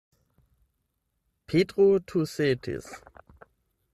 Petro tusetis.